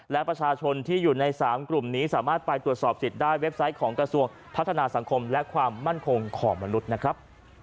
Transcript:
และประชาชนที่อยู่ใน๓กลุ่มนี้สามารถไปตรวจสอบสิทธิ์ได้เว็บไซต์ของกระทรวงพัฒนาสังคมและความมั่นคงของมนุษย์นะครับ